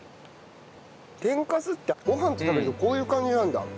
天かすってご飯と食べるとこういう感じなんだ。